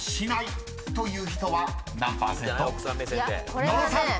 ［野呂さん］